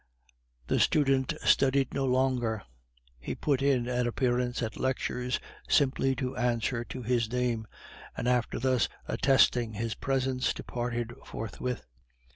The student studied no longer. He put in an appearance at lectures simply to answer to his name, and after thus attesting his presence, departed forthwith.